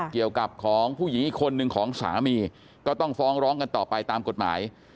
เกี่ยวกับของผู้หญิงอีกคนนึงของสามีก็ต้องฟ้องร้องกันต่อไปตามกฎหมาย